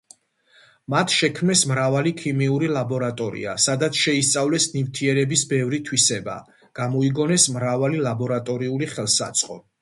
მათ შექმნეს მრავალი ქიმიური ლაბორატორია, სადაც შეისწავლეს ნივთიერების ბევრი თვისება, გამოიგონეს მრავალი ლაბორატორიული ხელსაწყო.